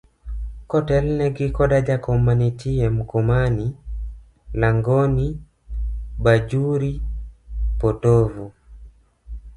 Kotelne gi koda jakom mantie Mkomani, Langoni, Bajuri, potovu.